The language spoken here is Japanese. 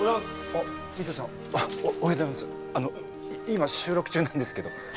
あの今収録中なんですけど。